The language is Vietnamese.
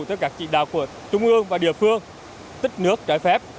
tất cả trị đạo của trung ương và địa phương tích nước trải phép